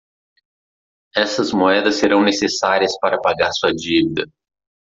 Estas moedas serão necessárias para pagar sua dívida.